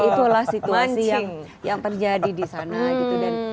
itulah situasi yang terjadi di sana gitu